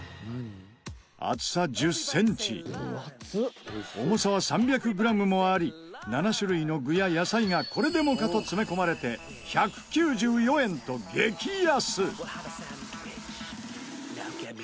厚さ１０センチ重さは３００グラムもあり７種類の具や野菜がこれでもかと詰め込まれて１９４円と激安！